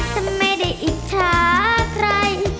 ฉันไม่ได้อิจฉาใคร